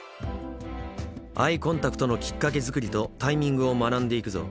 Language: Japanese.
アイコンタクトのきっかけ作りとタイミングを学んでいくぞ。